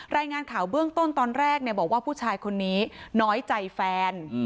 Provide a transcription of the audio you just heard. รายงานข่าวเบื้องต้นตอนแรกบอกว่าผู้ชายคนนี้น้อยใจแฟน